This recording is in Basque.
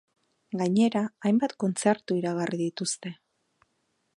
Gainera, hainbat kontzertu iragarri dituzte.